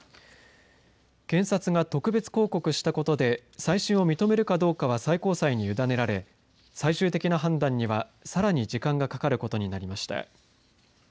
検察が特別抗告したことで再審を認めるかどうかは最高裁に委ねられ最終的な判断にはさらに時間がかかることになりました。